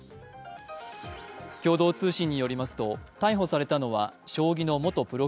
共同通信によりますと逮捕されたのは将棋の元プロ